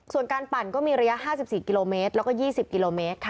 ส่วนการปั่นก็มีระยะ๕๔กิโลเมตรแล้วก็๒๐กิโลเมตรค่ะ